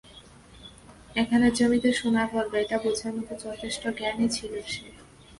এখানের জমিতে সোনা ফলবে এটা বুঝার মত যথেষ্ট জ্ঞানী ছিল সে।